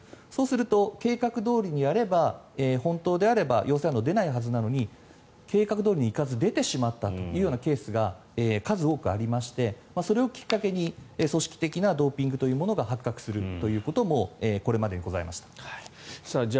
そうすると、計画どおりにやれば本当であれば陽性反応が出ないはずなのに計画どおりにいかず出てしまったというケースが数多くありましてそれをきっかけに組織的なドーピングというものが発覚するということもこれまでにございました。